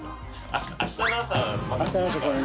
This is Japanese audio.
あしたの朝これ。